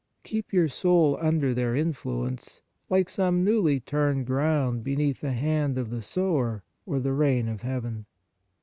Keep your soul under their influence, like some newly turned ground beneath the hand of the sower or the rain of heaven.